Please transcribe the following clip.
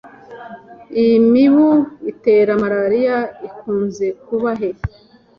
imibu itera malaria ikunze kuba he